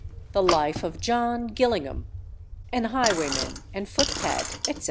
The Life of JOHN GILLINGHAM, an Highwayman and Footpad, etc.